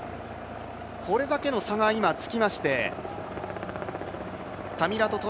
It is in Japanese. これだけの差が今、つきましてタミラト